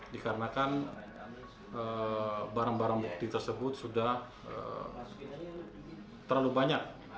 dikarenakan barang barang bukti tersebut sudah terlalu banyak